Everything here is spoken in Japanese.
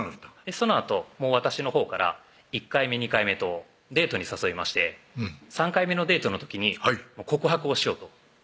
そのあと私のほうから１回目２回目とデートに誘いまして３回目のデートの時に告白をしようと決めました